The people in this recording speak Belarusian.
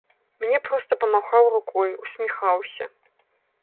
Мне проста памахаў рукой, усміхаўся.